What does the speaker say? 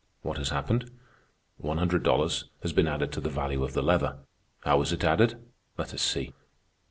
What has happened? One hundred dollars has been added to the value of the leather. How was it added? Let us see.